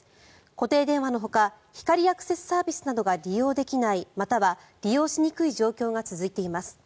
固定電話のほか光アクセスサービスなどが利用できないまたは利用しにくい状況が続いています。